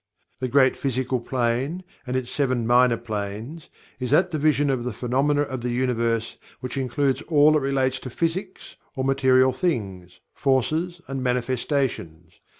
The Great Physical Plane, and its Seven Minor Planes, is that division of the phenomena of the Universe which includes all that relates to physics, or material things, forces, and manifestations.